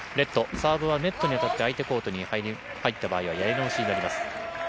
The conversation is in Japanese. サーブはネットに当たって相手コートに入った場合はやり直しになります。